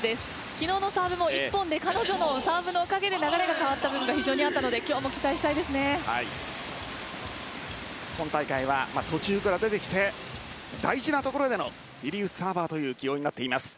昨日のサーブ１本彼女のサーブのおかげで流れが変わった部分が非常にあったので今大会は途中から出てきて大事なところでのリリーフサーバーという起用になっています。